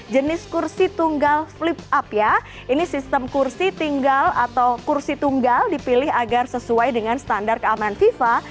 jenis kursi tunggal flip up ya ini sistem kursi tinggal atau kursi tunggal dipilih agar sesuai dengan standar keamanan fifa